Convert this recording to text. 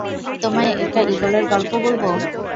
তোমায় একটা ঈগলের গল্প বলবো?